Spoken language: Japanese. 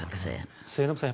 末延さん